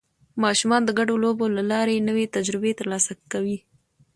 ماشومان د ګډو لوبو له لارې نوې تجربې ترلاسه کوي